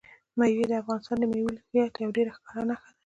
مېوې د افغانستان د ملي هویت یوه ډېره ښکاره نښه ده.